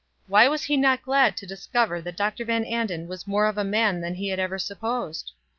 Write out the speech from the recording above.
Why was he not glad to discover that Dr. Van Anden was more of a man than he had ever supposed?